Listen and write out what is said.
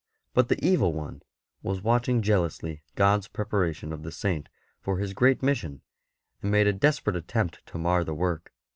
But the Evil One was watching jealously God's preparation of the Saint for his great mission, and made a desperate attempt to mar the work.